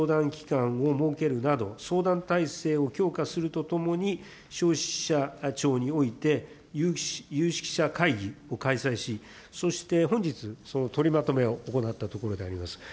集中相談期間を設けるなど、相談体制を強化するとともに、消費者庁において有識者会議を開催し、そして、本日、その取りまとめを行ったところであります。